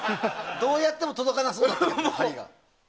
どうやっても届かなそうだった針が。